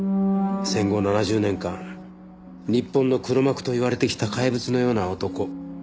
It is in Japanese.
戦後７０年間日本の黒幕と言われてきた怪物のような男。